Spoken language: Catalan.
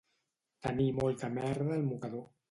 Tenir molta merda al mocador